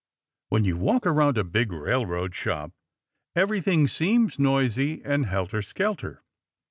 When you walk around a big railroad shop, everything seems noisy and helter skelter.